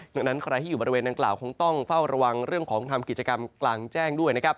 ดังนั้นใครที่อยู่บริเวณนางกล่าวคงต้องเฝ้าระวังเรื่องของทำกิจกรรมกลางแจ้งด้วยนะครับ